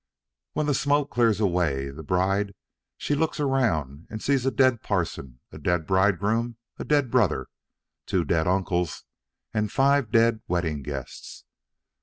"When the smoke clears away, the bride she looks around and sees a dead parson, a dead bridegroom, a dead brother, two dead uncles, and five dead wedding guests.